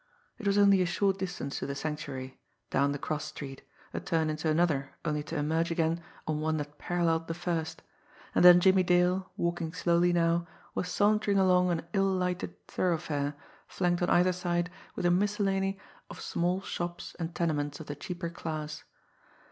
It was only a short distance to the Sanctuary down the cross street, a turn into another only to emerge again on one that paralleled the first, and then Jimmie Dale, walking slowly now, was sauntering along an ill lighted thoroughfare flanked on either side with a miscellany of small shops and tenements of the cheaper class.